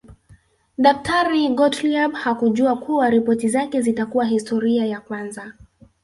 Daktari Gottlieb hakujua kuwa ripoti zake zitakuwa historia ya kwanza